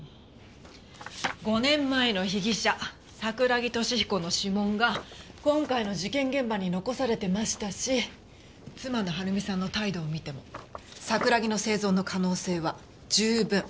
５年前の被疑者桜木敏彦の指紋が今回の事件現場に残されてましたし妻の春美さんの態度を見ても桜木の生存の可能性は十分考えられます。